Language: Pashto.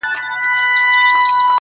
• ورور د وجدان اور کي سوځي,